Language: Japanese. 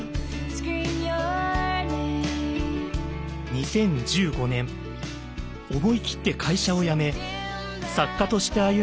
２０１５年思い切って会社を辞め作家として歩む決心をします。